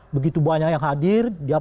begitu banyak yang hadir